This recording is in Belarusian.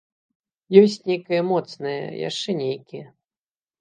Ёсць нейкае моцнае, яшчэ нейкія.